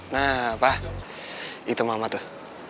nah apa itu mama tuh